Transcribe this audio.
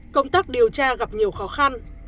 công tác điều tra gặp nhiều khó khăn